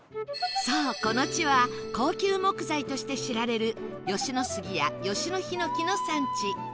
そうこの地は高級木材として知られる吉野杉や吉野ひのきの産地